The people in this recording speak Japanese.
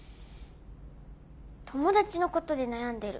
友達のことで悩んでる。